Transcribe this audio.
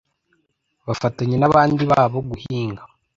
bafatanya n’abandi babo guhinga